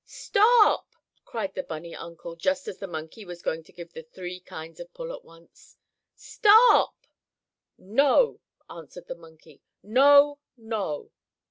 "Stop!" cried the bunny uncle, just as the monkey was going to give the three kinds of pull at once. "Stop!" "No!" answered the monkey. "No! No!"